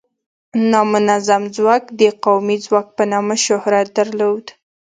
نامنظم ځواک د قومي ځواک په نامه شهرت درلوده.